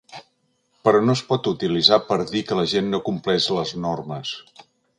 Però no es pot utilitzar per dir que la gent no compleix les normes.